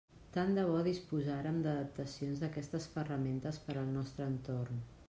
Tant de bo disposàrem d'adaptacions d'aquestes ferramentes per al nostre entorn.